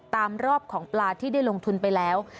ตามรอบของปลาที่ได้ลงทุนไปแล้ว